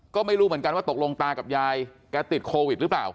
ก็ไม่รู้เหมือนกันว่าตกลงตากับยายแกติดโควิดหรือเปล่า